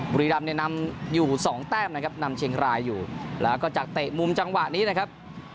บุรีรำเนี่ยนำอยู่สองแต้มนะครับนำเชียงรายอยู่แล้วก็จากเตะมุมจังหวะนี้นะครับ